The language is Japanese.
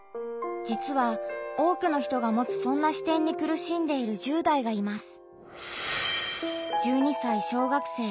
実は多くの人が持つそんな視点に苦しんでいる１０代がいます。